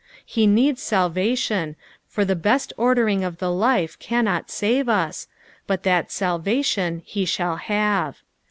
He needs salvation, for the best ordering of the life cannot save us, but that mltation he sliall have.